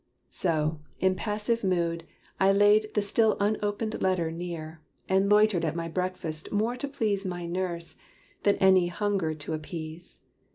So, in passive mood, I laid the still unopened letter near, And loitered at my breakfast more to please My nurse, than any hunger to appease.